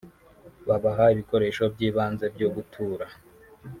babaha ibikoresho by’ibanze byo gutura